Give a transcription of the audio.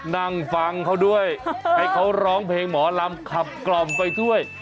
นั่งฟังเขาด้วยให้เขาร้องเพลงหมอลำขับกล่อมไปด้วย